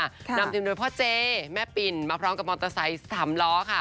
นำทีมโดยพ่อเจแม่ปิ่นมาพร้อมกับมอเตอร์ไซค์สามล้อค่ะ